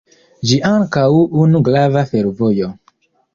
Ĝi estas ankaŭ unu grava fervojo.